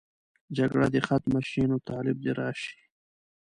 جګړه دې ختمه شي، نو طالب دې راشي.